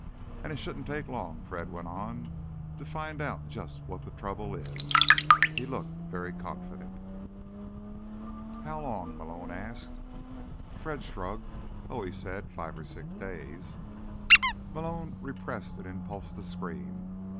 "And it shouldn't take long," Fred went on, "to find out just what the trouble is." He looked very confident. "How long?" Malone asked. Fred shrugged. "Oh," he said, "five or six days." Malone repressed an impulse to scream.